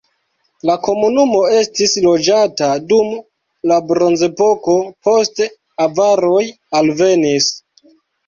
La komunumo estis loĝata dum la bronzepoko, poste avaroj alvenis.